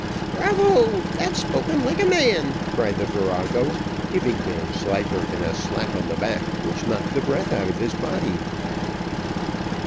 "Bravo! that's spoken like a man," cried the virago, giving Vanslyperken a slap on the back which knocked the breath out of his body.